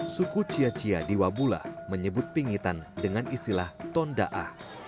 suku ciacia di wabula menyebut pingitan dengan istilah tonda'a